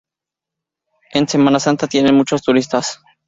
En semana santa tiene muchos turistas.